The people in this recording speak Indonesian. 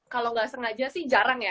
kalau nggak sengaja sih jarang ya